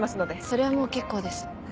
それはもう結構です。